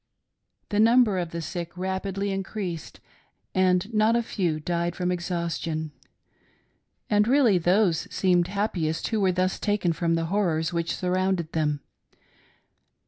" The number of the sick rapidly increased, and not a few died from exhaustion ; and really those seemed happiest who were thus taken from the horrors Which surrounded fhem.